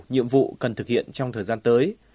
nhiệm vụ cần thực hiện trong thời gian tới